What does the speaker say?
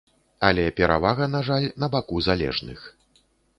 Але перавага, на жаль, на баку залежных.